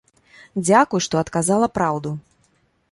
Дзякуй, што адказала праўду.